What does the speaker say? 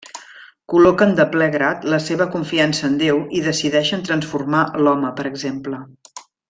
Col·loquen de ple grat la seva confiança en Déu i decideixen transformar l'home per l'exemple.